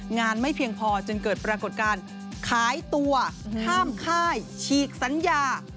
ไม่เพียงพอจึงเกิดปรากฏการณ์ขายตัวข้ามค่ายฉีกสัญญา